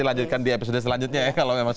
kita lanjutkan di episode selanjutnya